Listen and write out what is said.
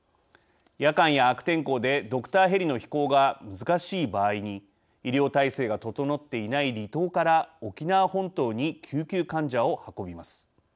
夜間や悪天候でドクターヘリの飛行が難しい場合に医療体制が整っていない離島から沖縄本島に救急患者を運びます。